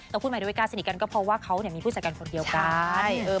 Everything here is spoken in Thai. เราพูดมาด้วยการสนิทกันก็เพราะว่าเขามีผู้จัดการคนเดียวกัน